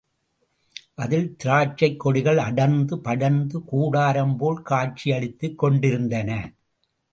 அதில் திராட்சைக் கொடிகள் அடர்ந்து, படர்ந்து கூடாரம் போல் காட்சியளித்துக் கொண்டிருந்தன.